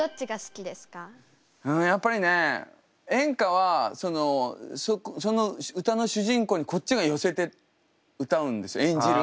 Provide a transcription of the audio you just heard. やっぱりね演歌はその歌の主人公にこっちが寄せて歌うんですよ。